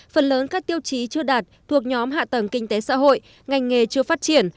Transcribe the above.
phần lớn các tiêu chí chưa đạt thuộc nhóm hạ tầng kinh tế xã hội ngành nghề chưa phát triển